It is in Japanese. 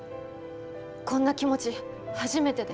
こんな気持ち初めてで。